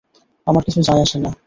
আমার কিছু যায় আসে না!